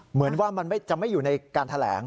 เหมือนว่ามันจะไม่อยู่ในการแถลง